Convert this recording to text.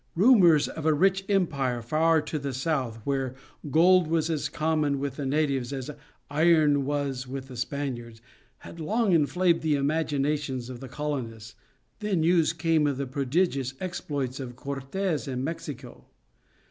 Rumors of a rich empire far to the south, where gold was as common with the natives as iron was with the Spaniards, had long inflamed the imaginations of the colonists; then news came of the prodigious exploits of Cortes in Mexico.